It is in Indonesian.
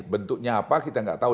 bentuknya apa kita nggak tahu